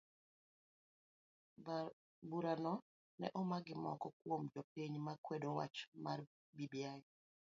Burano ne omak gi moko kuom jopiny ma kwedo wach mar bbi.